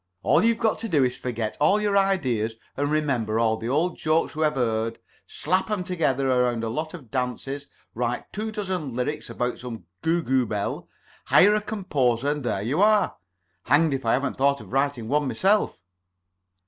All you've got to do is to forget all your ideas and remember all the old jokes you ever heard, slap 'em together around a lot of dances, write two dozen lyrics about some Googoo Belle, hire a composer, and there you are. Hanged if I haven't thought of writing one myself."